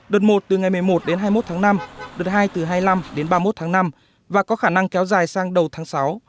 đợt một từ ngày một mươi một đến hai mươi một tháng năm đợt hai từ hai mươi năm đến ba mươi một tháng năm và có khả năng kéo dài sang đầu tháng sáu